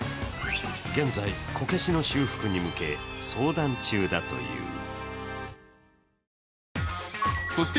現在、こけしの修復に向け、相談中だという。